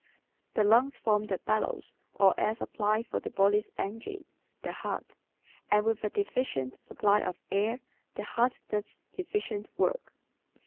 The lungs form the bellows or air supply for the body's engine, the heart, and with a deficient supply of air the heart does deficient work.